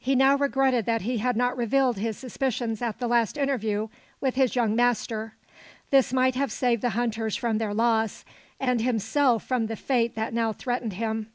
He now regretted that he had not revealed his suspicions at the last interview with his young master. This might have saved the hunters from their loss and himself from the fate that now threatened him.